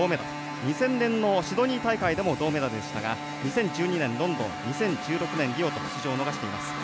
２０００年のシドニー大会でも銅メダルでしたが２０１２年ロンドン２０１６年リオと出場を逃しています。